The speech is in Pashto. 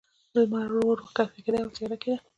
لمر ورو، ورو کښته کېده، او تیاره کېده.